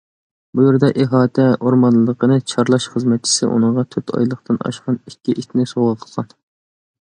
بۇ يەردە، ئىھاتە ئورمانلىقىنى چارلاش خىزمەتچىسى ئۇنىڭغا تۆت ئايلىقتىن ئاشقان ئىككى ئىتنى سوۋغا قىلغان.